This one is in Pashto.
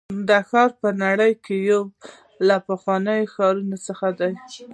دا ښار په نړۍ کې یو له پخوانیو ښارونو څخه دی.